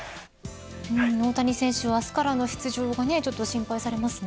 大谷選手は、明日からの出場が心配されますね。